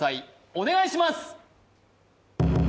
お願いします！